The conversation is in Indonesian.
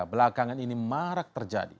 belakangan ini marak terjadi